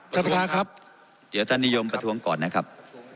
ประธานครับเดี๋ยวท่านนิยมประท้วงก่อนนะครับ